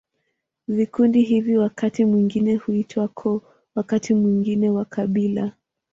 Vikundi hivi wakati mwingine huitwa koo, wakati mwingine makabila.